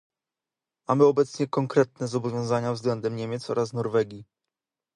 Mamy obecnie konkretne zobowiązania względem Niemiec oraz Norwegii